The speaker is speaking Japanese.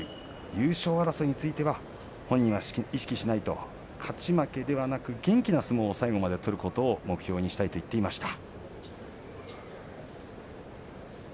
優勝争いについて本人は意識しない勝ち負けではなく元気な相撲を最後まで取るというのを目標にしていると話していました。